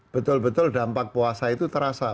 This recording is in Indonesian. betul betul dampak puasa itu terasa